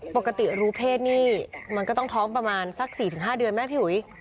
ปกติรู้เพศนี่มันก็ต้องท้องประมาณสัก๔๕เดือนไหมพี่หุย